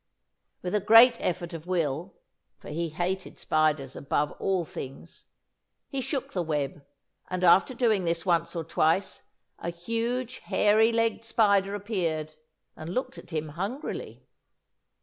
With a great effort of will for he hated spiders above all things he shook the web, and after doing this once or twice, a huge, hairy legged spider appeared and looked at him hungrily.